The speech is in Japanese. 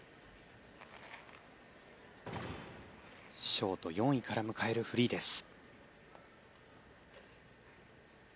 ショート４位から迎えるフリーです。